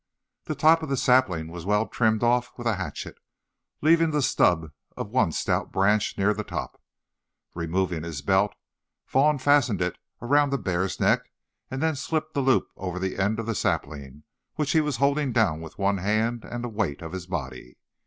The top of the sapling was well trimmed off with a hatchet, leaving the stub of one stout branch near the top. Removing his belt, Vaughn fastened it around the bear's neck, then slipped the loop over the end of the sapling which he was holding down with one hand and the weight of his body.